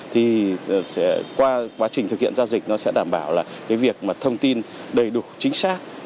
thì qua quá trình thực hiện giao dịch nó sẽ đảm bảo là cái việc mà thông tin đầy đủ chính xác